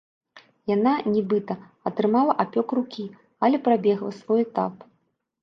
Яна, нібыта, атрымала апёк рукі, але прабегла свой этап.